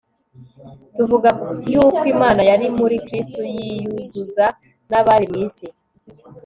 Tuvuga yukw Imana yari muri Kristo yiyuzuza n abari mw isi